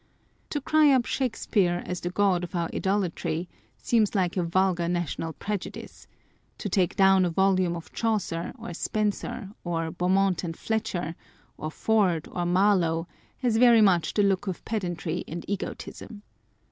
To cry up Shakespeare as the god of our idolatry, seems like a vulgar national prejudice : to take down a volume of Chaucer, or Spenser, or Beaumont and Fletcher, or Ford, or Marlowe, has very much the look of pedantry and egotism.